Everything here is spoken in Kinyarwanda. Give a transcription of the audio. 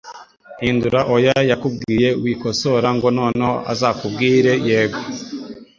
Hindura oya yakubwiye wikosora ngo noneho azakubwire yego